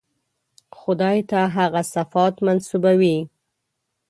خدای ته هغه صفات منسوبوي.